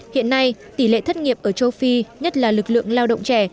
hiện nay tỷ lệ thất nghiệp ở châu phi nhất là lực lượng lao động trẻ